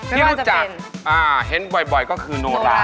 ที่รู้จักเห็นบ่อยก็คือนโนรา